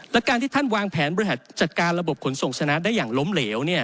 และการที่ท่านวางแผนบริหารจัดการระบบขนส่งชนะได้อย่างล้มเหลว